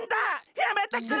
やめてくれ！